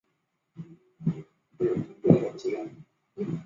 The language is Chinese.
谢讷杜伊人口变化图示